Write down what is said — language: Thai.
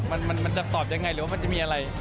มันจะตอบยังไงหรือว่ามันจะมีอะไร